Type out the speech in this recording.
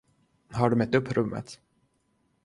Har du mätt upp rummet?